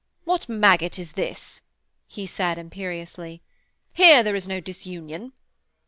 'What maggot is this?' he said imperiously. 'Here there is no disunion.'